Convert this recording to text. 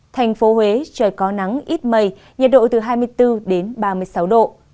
thành phố huế trời có nắng ít mây nhiệt độ từ hai mươi bốn đến ba mươi sáu độ